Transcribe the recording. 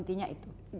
jadi intinya itu